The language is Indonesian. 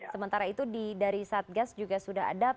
sementara itu dari satgas juga sudah ada